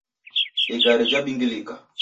Igare jabingilika